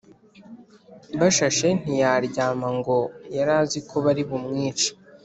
Bashashe ntiyalyama ngo yari aziko bari bumwice